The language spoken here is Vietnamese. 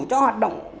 cho hoạt động